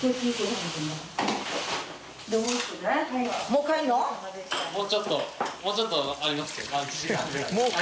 もうちょっともうちょっとありますけど。